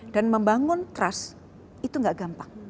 dan membangun trust itu tidak gampang